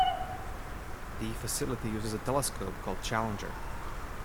The facility uses a telescope called Challenger.